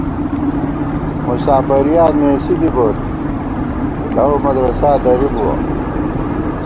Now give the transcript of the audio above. مُساپَرِیاں نېسی دِبوت، لَؤمدرسا درِبُوَہ